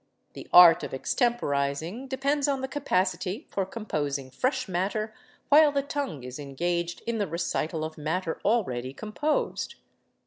The art of extemporizing depends on the capacity for composing fresh matter while the tongue is engaged in the recital of matter already composed.